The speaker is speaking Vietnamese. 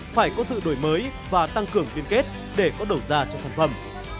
phải có sự đổi mới và tăng cường liên kết để có đầu ra cho sản phẩm